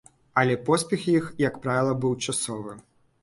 Але поспех іх, як правіла, быў часовы.